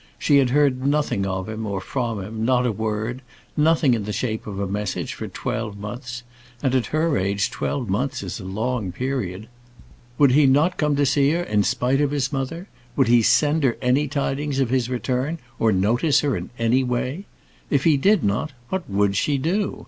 She had heard nothing of him or from him, not a word, nothing in the shape of a message, for twelve months; and at her age twelve months is a long period. Would he come and see her in spite of his mother? Would he send her any tidings of his return, or notice her in any way? If he did not, what would she do?